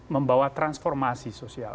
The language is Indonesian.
yang membawa transformasi sosial